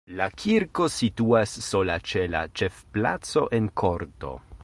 La kirko situas sola ĉe la ĉefplaco en korto.